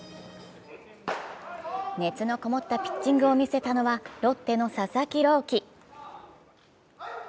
熱のこもったピッチングを見せたのはロッテの佐々木朗希。